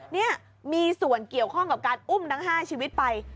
นี่มีส่วนเกี่ยวข้องกับการอุ้มทั้ง๕ชีวิตไป